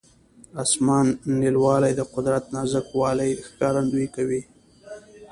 د اسمان نیلاوالی د قدرت نازک والي ښکارندویي کوي.